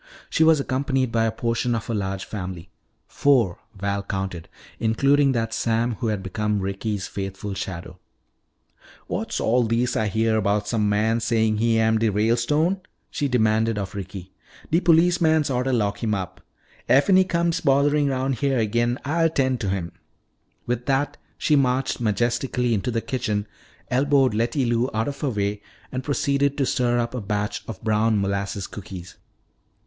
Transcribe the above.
She was accompanied by a portion of her large family four, Val counted, including that Sam who had become Ricky's faithful shadow. "What's all dis Ah heah 'bout some mans sayin' he am de Ralestone?" she demanded of Ricky. "De policemans oughta lock him up. Effen he comes botherin' 'roun' heah agin I'll ten' to him!" With that she marched majestically into the kitchen, elbowed Letty Lou out of her way, and proceeded to stir up a batch of brown molasses cookies.